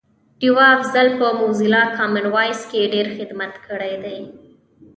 ډیوه افضل په موزیلا کامن وایس کی ډېر خدمت کړی دی